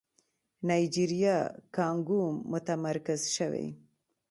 نایجيريا کانګو متمرکز شوی.